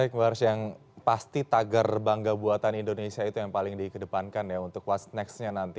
baik mbak ars yang pasti tagar bangga buatan indonesia itu yang paling di kedepankan ya untuk what's next nya nanti